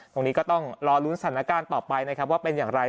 ตรงนี้ก็ต้องรอลุ้นสถานการณ์ต่อไปนะครับว่าเป็นอย่างไร